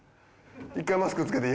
一回マスクつけて。